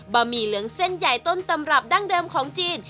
หมี่เหลืองเส้นใหญ่ต้นตำรับดั้งเดิมของจีน